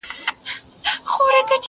په سِن پوخ وو زمانې وو آزمېیلی.!